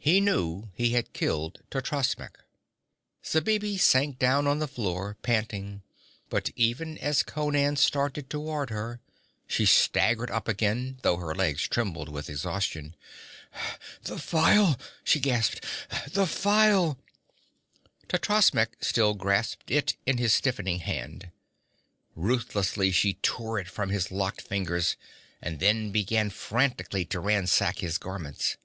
He knew he had killed Totrasmek. Zabibi sank down on the floor, panting, but even as Conan started toward her, she staggered up again, though her legs trembled with exhaustion. 'The phial!' she gasped. 'The phial!' Totrasmek still grasped it in his stiffening hand. Ruthlessly she tore it from his locked fingers, and then began frantically to ransack his garments.